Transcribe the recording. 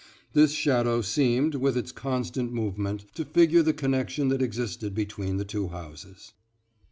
This shadow seemed, with its constant movement, to figure the connection that existed between the two houses.